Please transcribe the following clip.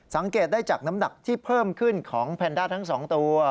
สังเกตได้จากน้ำหนักที่เพิ่มขึ้นของแพนด้าทั้ง๒ตัว